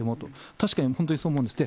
確かに本当にそう思うんです。